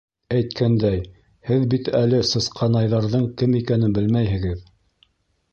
Әйткәндәй, һеҙ бит әле сысҡа-найҙарҙың кем икәнен белмәйһегеҙ.